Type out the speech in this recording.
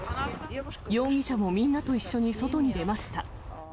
容疑者もみんなと一緒に外に出ました。